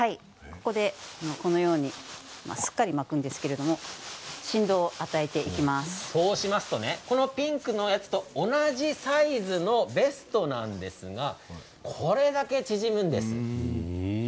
ここで、このようにしっかりと巻くんですけれどもこうしますとピンクのやつと同じサイズのベストなんですがこれだけ縮むんです。